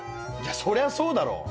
そりゃそうだろ。